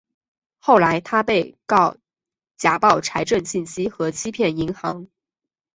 后来他被告假报财政信息和欺骗银行。